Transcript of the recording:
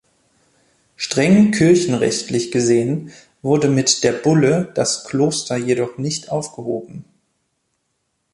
Streng kirchenrechtlich gesehen wurde mit der Bulle das Kloster jedoch nicht aufgehoben.